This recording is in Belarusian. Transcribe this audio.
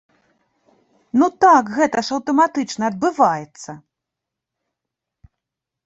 Ну так гэта ж аўтаматычна адбываецца!